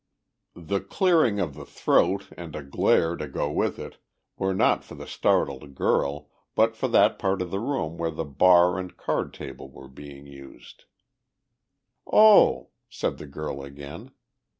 The clearing of the throat and a glare to go with it were not for the startled girl but for that part of the room where the bar and card tables were being used. "Oh," said the girl again.